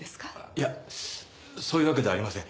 いやそういうわけではありません。